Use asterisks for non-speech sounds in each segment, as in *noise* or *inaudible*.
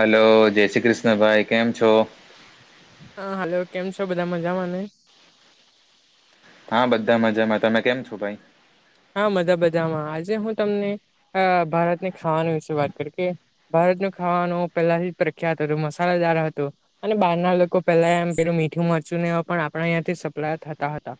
Hello, જય શ્રી કૃષ્ણ ભાઈ કેમ છો? હા હલો કેમ છો? બધા મજામાં ને. હા બધા મજામાં. તમે કેમ છો ભાઈ? હા બધા બધામાં. આજે હું તમને ભારતની ખાવાનું વિશે વાત કરું કે ભારતનું ખાવાનું પહેલાથી પ્રખ્યાત હતું મસાલેદાર હતું. અને બહારના લોકો પેલા એમ પેલું મીઠું મરચું એ પણ આપણા ત્યાંથી સપ્લાય થતા હતા.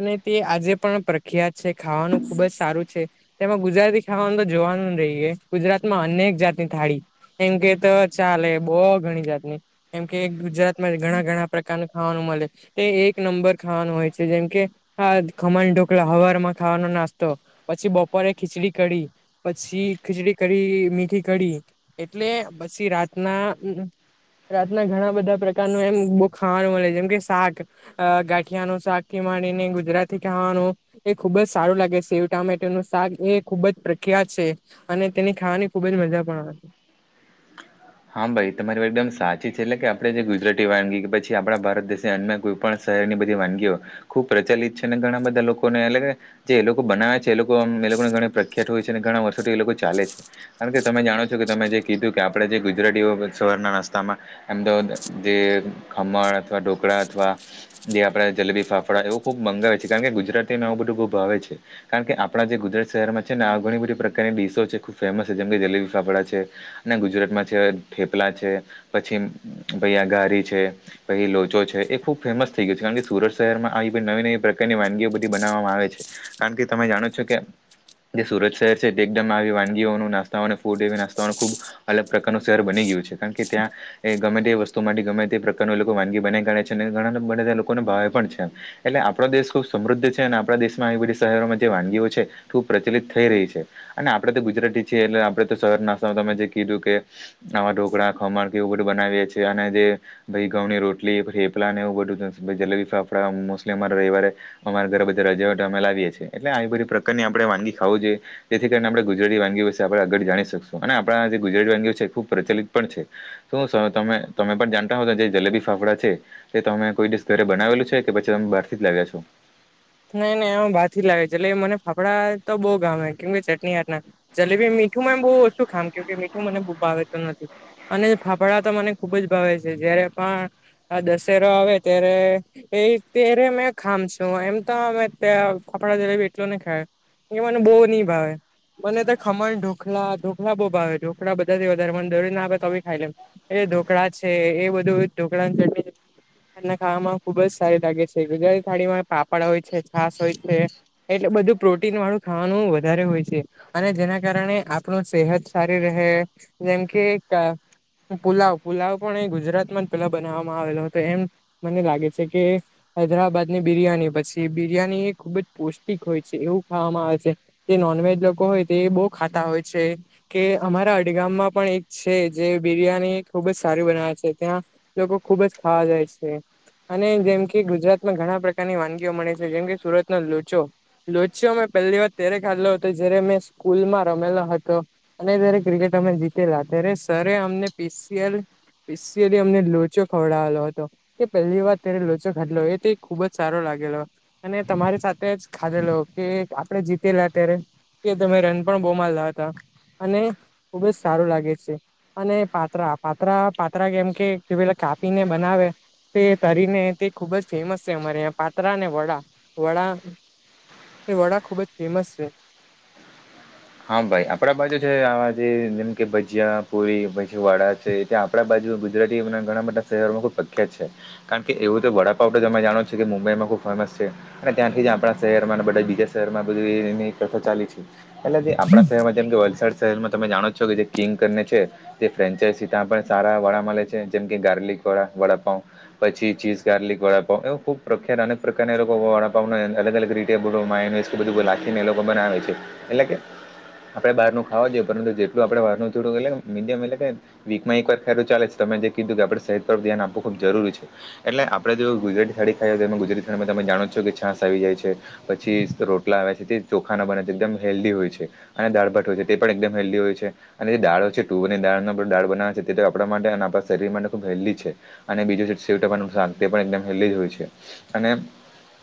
અને તે આજે પણ પ્રખ્યાત છે. ખાવાનું ખુબ જ સારું છે. તેમાં ગુજરાતી ખાવાનું તો જોવાનું જ નહી એ. ગુજરાતમાં અનેક જાતની થાળી. એમ કે તો ચાલે બોવ ઘણી જાતની. કેમ કે ગુજરાતમાં ઘણા ઘણા પ્રકારનું ખાવાનું મલે. તે એક નંબર ખાવાનું હોય છે. જેમ કે આ ખમણ ઢોકળા હવારમાં. ખાવાનો નાસ્તો, પછી બપોરે ખીચડી કડી. પછી ખીચડી કરી મીઠી કડી, એટલે પછી રાતના રાતના ઘણા બધા પ્રકારનું એમ બહુ ખાવાનું મળે. જેમ કે શાક અ ગાંઠિયાનું શાકથી માડીને ગુજરાતી ખાવાનું. એ ખુબ જ સારું લાગે છે. સેવ ટામેટરનું શાક એ ખુબ જ પ્રખ્યાત છે. અને તેની ખાવાની ખુબ જ મજા પણ આવે છે. હા ભાઈ તમારી વાત એકદમ સાચી છે. એટલે કે આપણે જે ગુજરાતી વાનગી કે પછી આપણા ભારત દેશ અન્ય કોઈ પણ શહેરની બધી વાનગીઓ ખુબ પ્રચલિત છે. અને ઘણા બધા લોકોને અલગ જે એ લોકો બનાવે છે એ લોકોને ઘણી પ્રખ્યાત હોય છે અને ઘણા વર્ષોથી એ લોકો ચાલે છે. અને તમે જાણો છો કે તમે જે કીધું કે આપડે જે ગુજ ગુજરાતીઓ સવારના નાસ્તામાં અમદાવાદ જે ખમણ અથવા ઢોકળા અથવા જે આપડે જલેબી ફાફડા એવું ખુબ મંગાવે છે. કારણ કે ગુજરાતીને એવું બધું ખુબ ભાવે છે. કારણ કે આપણા જે ગુજરાત શહેરમાં છે ને આ ઘણી બધી પ્રકારની ડીશો છે. ખૂબ ફેમસ છે. જેમ કે જલેબી ફાફડા છે. અને ગુજરાતમાં છે, થેપલા છે. પછી ભઈઆ ઘારી છે. પહિ લોચો છે. એ ખુબ ફેમસ થઇ ગયો છે. કારણ કે સુરત શહેરમાં આવી નવી નવી પ્રકારની વાનગીઓ બધી બનાવવામાં આવે છે. કારણ કે તમે જાણો છો કે જે સુરત શહેર છે તે એકદમ આવી વાનગીઓનું, નાસ્તાઓને ફૂડ એવી નાસ્તાઓનું ખૂબ અલગ પ્રકારનું શહેર બની ગયું છે. કારણ કે ત્યાં એ ગમે તે વસ્તુ માટે ગમે તે પ્રકારનું એ લોકો વાનગી બનાવી કાઢે છે. અને ઘણા બને લોકોને ભાવે પણ છે એમ. એટલે આપણો દેશ ખુબ સમૃદ્ધ છે. અને આપણા દેશમાં આવી બધી શહેરોમાં જે વાનગીઓ છે. ખુબ પ્રચલિત થઈ રહી છે. અને આપણે તો ગુજરાતી છીએ એટલે આપણે તો શહેર નાસ્તામાં તમે જે કીધું કે આવા ઢોકળા, ખમણ કે એવું બધું બનાવીએ છીએ અને જે ભાઈ ઘઉ ની રોટલી, થેપલાને એવું બધું જલેબી ફાફડા મોસ્લી અમારે રવિવારે અમારા ઘરે બધા રજા હોય તો અમે લાવીએ છીએ. એટલે આવી બધી પ્રકારની આપણેે વાનગી ખાવું જોઈએ. જેથી કરીને આપણે ગુજરાતી વાનગીઓ વિશે આપણે આગળ જાણી શકશું. અને આપણા જે ગુજરાતી વાનગીઓ છે એ ખુબ પ્રચલિત પણ છે. શું તમે તમે પણ જાણતા હો જે જલેબી ફાફડા છે. તે તમે કોઈ દિવસ ઘરે બનાવેલું છે કે પછી તમે બહારથી જ લાવ્યા છો? નહી નઈ અમે બારથી જ લાવ્યા. જલેબી મને ફાફડા તો બહુ ભાવે કેમ કે ચટણી આટલા જલેબી મીઠુંમાં એ બહુ ઓશું ખાવાનું કેમકે મીઠું મારે બવ ભાવેતું નથી. અને ફાફડા તો મને ખુબ જ ભાવે છે. જયારે પણ હા દશેરો આવે ત્યારે એ ત્યારે મે ખામશું એમ તો અમે તે ફાફડા જલેબી એટલો નહી ખાય. એ મને બહુ નઈ ભાવે. મને તો ખમણ ઢોખલા, ઢોકલા બહુ ભાવે ઢોકળા બધાથી વધારે મને દરોજના આપે તોબી ખાઈ લવ. એ ઢોકળા છે એ બધું ઢોકળા ની ચટણી અને ખાવામાં ખુબ જ સારી લાગે છે. ગુજરાતી થાળીમાં પાપડ હોય છે, છાસ હોય છે. એટલે બધું પ્રોટીનવાળું ખાવાનું વધારે હોય છે. અને તેના કારણે આપણું સેહત સારી રહે જેમ કે પુલાવ, પુલાવ પણ અ ગુજરાતમાં જ પેલા બનાવવામાં આવેલો હતો એમ મને લાગે છે કે હૈદરાબાદની બિરિયાની પછી બિરિયાનીએ ખુબ જ પૌષ્ટિક હોય છે એવું ખાવામાં આવે છે. જે નોનવેજ લોકો હોય તે એ બહ ખાતા હોય છે. કે અમારા અડ ગામમાં પણ એક છે જે બિરિયાની ખુબ જ સારી બનાવે છે ત્યાં લોકો ખુબ જ ખાવા જાય છે અને જેમ કે ગુજરાતમાં ઘણા પ્રકારની વાનગી જો મને છે જેમ કે સુરત ના લોચો, લોચ્યો મેં પહેલીવાર ત્યારે ખાલો હતો જયારે મેં સ્કૂલમાં રમેલો હતો. અને જયારે ક્રિકેટ અમે જીતેલા ત્યારે સર અમને પીસીએલ પીશિયલી અમને લોચો ખવડાવેલો હતો. કે પહેલી વાર ત્યારે લોચો ખાટલો એ તે ખુબ જ સારો લા ગેલો અને તમારી સાથે જ ખાધેલો કે આપડે જીતેલા અત્યારે કે તમે રન પણ બહ માંરલા હતા અને ખુબ જ સારું લાગે છે. અને પાત્રા, પાત્રા પાત્રા કેમ કે કે પેલા કાપી ને બનાવે તે તારીને તે ખુબ જ ફેમસ છે અમારેં અયા કતરા ને વડા, વડા એ વડા ખુબ જ ફેમસ છે. હા ભાઈ આપણા બાજુ જોયે છે આવા જે જેમ કે ભજીયા, પુરી, ભજવાડા છે. ત્યાં આપણા બાજુમાં ગુજરાતી ઘણા બધા શહેરોમાં ખુબ પ્રખ્યાત છે. કારણ કે, એવું તો વડાપાવ ટ તમે જાણો છો કે મુંબઈમાં ખૂ ફેમસ છે અને ત્યાંથી જ આપણાં શહેરમાં અને બધા બીજા શહેરમાં બધું એની એક કથા ચાલી છે. એટલે જે આપણા શહેરમાં જેમ કે વલસાડ શહેરમાં તમે જાણો છો કે જે કિંગ કરને છે. તે ફ્રેન્ચાઈ ત્યાં પણ સારા વડા મલે છે જેમ કે ગાર્લિકવડા, વડાપાઉ. પછી, ચીઝ ગાર્લિક વડાપાવ એવ ખુબ પ્રખ્યાત અનેક પ્રકારના એ લોકો વડાપાવને અલ અલગ રી ટેબલોમાં એને કે બધું લખીને એ લોકો બનાવે છે એટલે કે, આપડે બારનું ખાવા જોઈએ પરંતુ જેટલું આપડે બારનું થોડું *unintelligible* મીડિયમ એટલે કે, વીકમાં એકવાર ખાધુ ચાલે છે તમે જે કીધું કે આપડણે સહેત પર ધ્યાન આપવું ખુબ જરૂરી છે. એટલે આપણે જો ગુજરાતી થાડી ખાઈ તો એમાં ગુજરાતી થાડીમાં તમે જાણો જ છો કે છાસ આવી જાય છે. પછી રોટલા આવે છે તે ચોખાના બને છે એકદમ હેલ્ધી હોય છે. અને દાળભાટ હોય છે તે પણ એકદમ હેલ્ધી હોય છે. અને દાળો છે ટુવર દાળ દાળ બનાવે છે તે તો આપણા માટે અને આપણા શરીર માટે ખૂબ હેલ્ધી છે. અને બીજું છે શિવતબાનું શાક તે પણ એકદમ હેલ્ધી હોય છે અને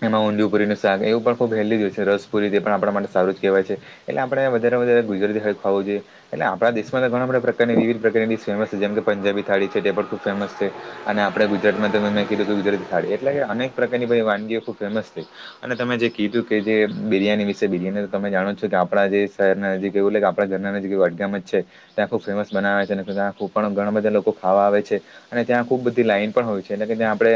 એમાં ઊંધિયપુરીનું શાક એવું પણ ખૂબ હેલ્ધીય હોય છે રસ પુરી જે પણ આપણા માટે સારું જ કહેવાય છે એટલે આપણે વધારે વધારે ગુજરાતી ખાઈ ખાવુ જોઈએ. એટલે આપણા દેશમાં ત ઘણા બધા પ્રકારની વિવિધ પ્રકારની બી ફેમસ છે જેમ કે પંજાબીથાળી છે તે પણ ખૂબ ફેમસ છે. અને આપડણે ગુજરાતમાં તમે મેં કીધું કે ગુજરાતી થાળી એટલે કે અનેક પ્રકારની બધી વાનગીઓ ખુબ ફેમસ થઈ અને તમે જે કીધું કે જે બિરિયાની વિશે બિરિયાનર. તમે જાણો છો કે આપણા જે શહેરના જે ક કેવું લે કે આપણા ઘરના જે વાડગામ જ છે. ત્યાં ખૂબ ફેમસ બનાવે છે અને ત્યા ખૂબ પણ ઘણા બધા લોકો ખાવા આવે છે. અને ત્યાં ખુબ બધી લાઈન પણ હોય છે એટલે કે ત્યાં આપડે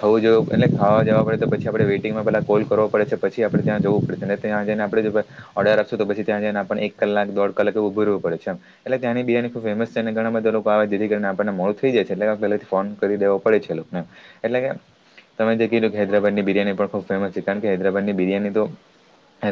ખાવુ જોવું એટલે ખાવા જવા પડે તો પછી આપડે વેટિંગમાં પેલા કોલ કરવાો પડે છે પછી આપણે ત્યાં જવું પડે ને ત્યાં જઈને આપડે જે બર ઓડર આપશું તો પછી ત્યાં જઈને એક કલાક દોડ કલક એવું ઉભું રહેવું પડે છે એમ એટલે ત્યાંની બિયાની ખુ ફેમસ છે અને ઘણા બધા લોકો આવે છે જેથી કરીને આપણને મોડું થઈ જાય છે એટલે પેલાથી ફોન કરી દેવો પડે છે એ લોકોને એટલે કે, તમે જે કીધું કે હૈદરાબાની બરિયાની પણ ખૂબ ફેમસ છે કારણ કે હૈદરાબાદની બિરયાની તો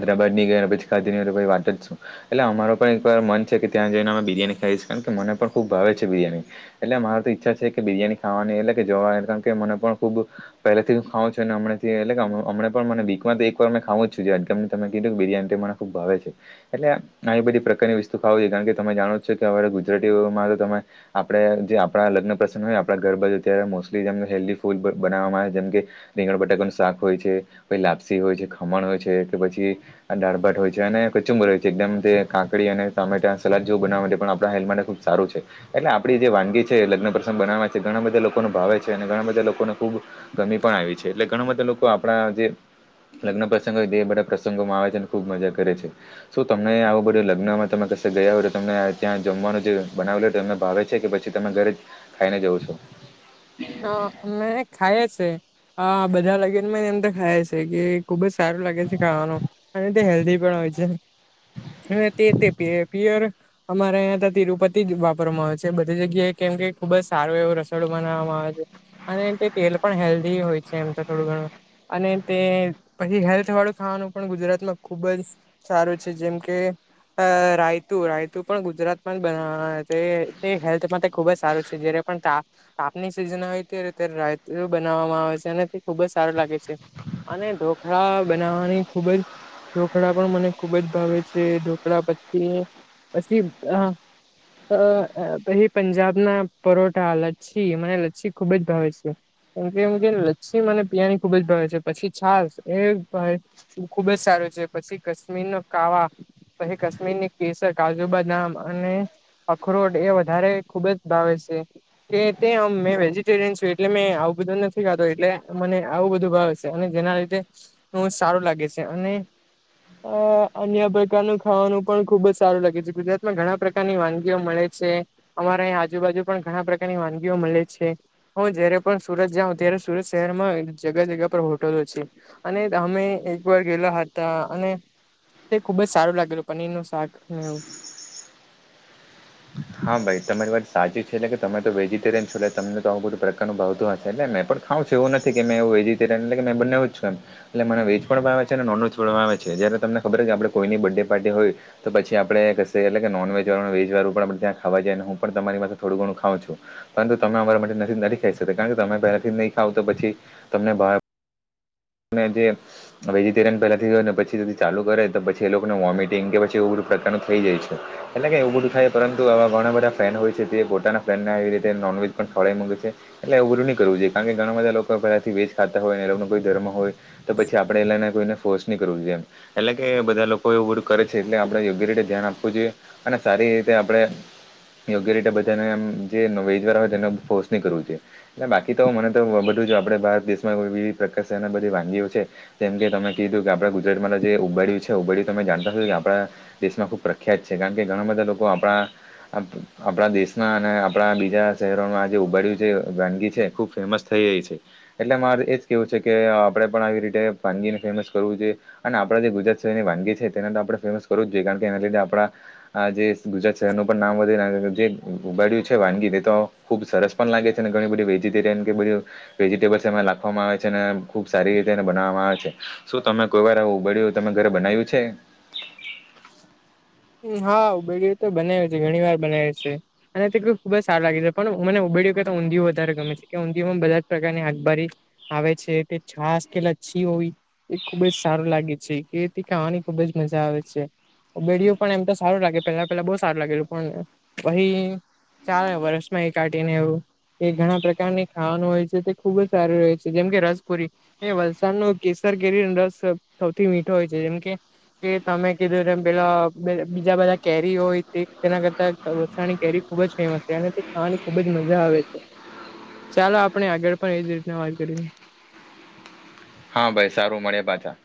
બરાબની ગના પછી કા વા છું. એટલે અમારો પણ એકવાર મન છે કે ત્યાં જઈને અમે બિરિયાની ખાઈશ કારણ કે મને પણ ખૂબ ભાવે છે. બિરિયાની એટલે મારી તો ઈચ્છા છે. કે બિરિયાની ખાવાની એટલે કે જોવાની કારણ કે મને પણ ખૂબ પહેલેથીું ખાવું છું. અને હમંથી એટલે કેમ પણ વીક એક વાર ખાવું છું. જે તમે કુ કે બિરિયાની મને ખૂબ ભાવે છે. એટલે આવી બધી પ્રકારની વસ્તુ ખાવ જોઈએ. કારણ કે તમે જાણો જ છો કે હવે ગુજરાતીઓમાં તો તમે આપણે જે આપણા લગ્ન પ્રસન્ન હોય આપણા ઘર બાાજુ અ્યારે મોસ્ટલી જેમ હેલ્ધી ફૂડ બનાવવામાં આવે જેમ કે રીંગણ બટાકાનું શાક હોય છે. પછ લાપસી હોય છે. ખમણ હોય છે. કે પછી ડાળભાટ હોય છે. અને ચુંબર હોય છે. એકદમ તે કાંકડી અને ટમેટાં સલાદ જો બનાવવા માટે પણ આપણાં હેલ્થ માટે ખૂબ સારું છે. એટલે આપડી જે વાનગી છે. લગ્ન પ્રસંગ બનાવ છે. ઘણા બધા લોકોને ભાવે છે અને ઘણા બધા લોકોને ખુબ કમી પણ આવી છે. એટલે ઘણા બધા લોકો આપણા જે લગ્ન પ્રસંગ હોય બધા પ્રસંગોમાં આવે છે. અને ખૂબ મજા કરે છે. શું તમને આવું બધું લગ્નમાં તમે ક ગયા હોય તો તમને ત્યાં જમવાનું જે બનાવ લે એમને ભાવે છે. કે પછી પછી તમે ઘરે જ ખાઈને જવ છો. અ અમે ખાઈ છે. બધા લગીન મે એમ તો ખાય છે કે ખુબ જ લાગે છે. ખાવાનું અને તે હેલ્ધી હોય છે. અને તે તે પ પયર અમારે અહં તો તિરુપતિ જ વાપરવામાં આવે છે. બધી જગ્યાએ કેમ કે ખુબ જ સારો એવો રસોડો બનાવવામાં આવે છે. અને તેલ પણ હેલ્ધી હોય છે. એમ તો થોડું ઘણું અને તે પછી હેલ્થ વાળું ખાવાનું પણ ગુજરાતમાં ખુબ જ સારું છે. જેમ કે અ રાયતું રાયતું પણ ગુજરાતમાં જ બ તે હેલ્થ માટે ખુબ જ સારું છે. જ પણ તાપ તાપની સિઝન હો ત્યારે્યારે રાત બનાવવામાં આવે છે. અને તે ખુબ જ સારું લાગે છે. અને ઢોખળા બનાવવાની ખુબ જ ઢોકળા પણ મને ખુબ જ ભાવે છે. ઢોકળા પછી પછી અ પછી પંજાબના પરોઠા હા લછી મને પછી ખુબ જ ભાવે છે. કેમ કેમ લચ્સીમ મ અને પિયાની ખુબ જ ભાવે છે. પછી છાસ ભાવ ખુબ જ સારું છે. પછી કશ્મીરનો કાવા પછી કાશ્મીરની કેસર કાજુબદામ અને અખરોટ એ વધારે ખુબ જ ભાવે છે. કે તે આમ મેવે રયન એટલે મેં આવું બધું નથી ખાતો એટલે મને આવું બધું ભાવ છે. અને જેના લીધે હ સારું લાગે છે. અને અ અન્ય ખાવાનું પણ ખુબ જ સારું લાગે છે. ગુજરાતમાં ઘણા પ્રકારની વાનગીઓ મળે છે. અમારે અહીં આજુબાજુ પણ ઘણા પ્રકારની વાનગીઓ મળે છે. હું જયારે પણ સુરત જાઉં ત્યારે સુરત શહેરમાં જગ્યા જગ્યા પર હોટલો છે. અને અમે એક વાર ગેલા હતા. અને તે ખુબ જ સારું લાગેલ પનીરનું શાક અને એવું હા તમારી વાત સાચી છે. એટલે કે તમે તો વેજીિટેરયન છોટલે તમને આવું બધું પ્રકારનું ભાવધું હશે. એટલે મેં પણ ખાવ છે. એવું નથી કે મે એવું વેજીટેરયન એટલે કે બનેવ જ છું. એમ એટલે મને વેજ પણ વાાવ છે. અને નોનવેેજ પણ વાવે છે. જ્યારે તમને ખબર કે આપણે કોઈની બર્થડે પાર્ટી હોય તો પછી આપણે કશે એટલે કે નોનવેેજ વાળું વેજ વાળું પણ ત્યા ખાવા જાય અને હું પણ તમારી મા થોડું ઘણું ખઉં છું. પરંતુ તમે અમારા માટે નથી નથી ખાઈ શકે કારણ કે તમે પહેલાથી નહી ખાવ તો પછી તમને બ મ જે *unintelligible* વેજીિટેરિન પહેલેથી ને પછી ચાલુ કરે તો, પછી એ લોકોને વોમિટિંગ, કે પછી એવું બધું પ્રકારનું થઈ જાય છે. એટલે કે એવું બધું થાય. પરંતુ આવા ઘણા બધા ફ્રેન્ડ હોય છે તે પોતાના ફ્રેન્ડને આવી રીતે નોનવેજ પણ ખવડાવી મગે છે. એટલે એવું બધું નહી કરવું જોઈ. કારણ કે, ઘણા બધા લોકો આપણાથી વેજ ખાતા હોય, એ લોકો કોઈ ધર્મ હોય તો પછી આપણે એલાને કોઈને ફોર્સ નહીં કરવું જોઈ એમ. એટલે કે બધા લોકો એવું બધું કરે છે એટલે આપણે યોગ્ય ધ્યાન આપવું જોઈએ. અને સારી રીતે આપણેે યોગ્ય રીતે બધાને એમ જે વેજવાળાહોય તેને ફોર્સ નહીં કરવું છે જોઈએ. એટલે બાકી તો, મને તો બધું જો આપણે, ભારત દેશમાં વિવિધ પ્રકારની બધી વાનગીઓ છે. કેમ કે તમે કીધું કે આપણા ગુજરાતમાં જે ઊંબાડિયું છો ઊંબાડિયુઃ તમે જાણતા છો કે આપણા દેશમાં ખુબ પ્રખ્યાત છે કારણ કે ઘણા બધા લોકો આપણા આપણા દેશના અને આપણા બીજા શહેરોમાં જે ઊંબાડ્યું જે વાનગી છે ખુબ ફેમસ થઈ રહી છે. એટલે મારે એજ કેવું છે કે આપણે પણ, આવી રીતે વાાનગીને ફેમસ કરવું જોઈએ. અને આપણા જે ગુજરાત સાઈડની વાનગી છે તેને તો આપણે ફેમસ કરવુ જ જોઈએ. કારણ કે, એના લીધે આપણા હાલ જે ગુજરાત શહેરનું પણ નામ વધે જે ઉબાડ્યું છે વાનગી એ તો ખુબ સરસ પણ લાગે છે અને ઘણી બધી વેજીિટેરિયન કે બધી વેજીિટેબલ્સ એમાં નાખવામાં આવે છે. તેને ખુબ સારી રીતે એને બનાવવામાં આવે છે. શું તમે કોઈ વાર આ ઊંબાડિયું તમે ઘરે બનાવ્યું છે.? હા ઊંબાડિયું તો બનાવયુ છે. ઘણી વાર બનાવ્યું છે. અને તે ખુબ જ સારું લાગે છે. પણ મને ઉબાડ્યું કરતા ઊંધિયું વધારે ગમે છે કે, ઊંધિયુ માં બધા જ પ્રકારની આખબારી આવે છે તે છાસ કે લછી હોવી એ ખુબ જ સારું લાગે છે કે તેથી ખાવાની ખુબ જ મજા આવે છેવ ઊંબાડિયું પણ એમ તો સારું લાગે, પેલા પેલા બહુ સારું લાગે પણ, પહિ ચાલે વર્ષમાં એ કાઢી ને એવું. એ ઘણા પ્રકારની ખાવાનું હોય છે તે ખુબ જ સારું હો છે. જેમ કે રસપુરી એ વલસાડનો કેસર કેરીનો રસ સૌથી મીઠો હોય છે. જેમ કે કે તમે કીધું તેમ પહેલા બીજા બધા કેરી હોય તે તેના કરતા વલસાડની કેરી ખુબ જ ફેમસ છે. એનાથી ખાવાની ખુબ જ મજા આવે છે. ચાલો આપણે આગળ પણ એજ રીતના વાત કરીએ. હા ભાઈ સારું મળીએ પાછા.